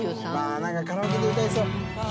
なんかカラオケで歌いそう。